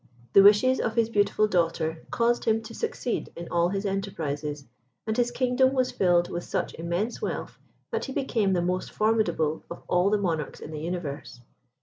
The wishes of his beautiful daughter caused him to succeed in all his enterprises, and his kingdom was filled with such immense wealth, that he became the most formidable of all the monarchs in the universe.